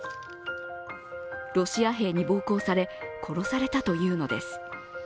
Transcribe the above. ロシア兵に暴行され、殺されたというのです。